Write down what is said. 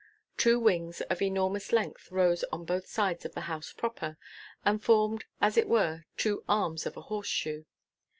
Two wings, of enormous length, rose on both sides of the house proper, and formed as it were two arms of a horseshoe.